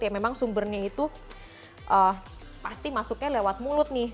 ya memang sumbernya itu pasti masuknya lewat mulut nih